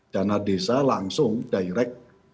dana desa langsung direct